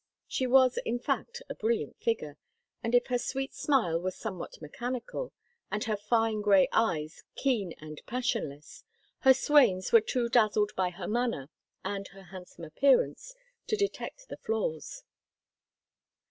She was, in fact, a brilliant figure, and if her sweet smile was somewhat mechanical, and her fine, gray eyes keen and passionless, her swains were too dazzled by her manner and her handsome appearance to detect the flaws.